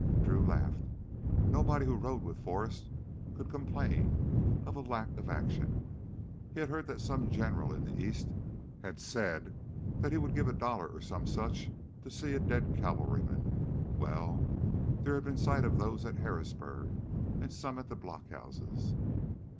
Drew laughed. Nobody who rode with Forrest could complain of a lack of action. He had heard that some general in the East had said he would give a dollar or some such to see a dead cavalryman. Well, there had been sight of those at Harrisburg and some at the blockhouses.